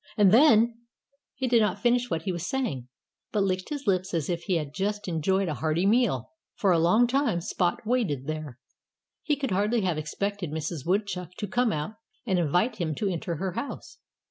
And then " He did not finish what he was saying, but licked his lips as if he had just enjoyed a hearty meal. For a long time Spot waited there. He could hardly have expected Mrs. Woodchuck to come out and invite him to enter her house.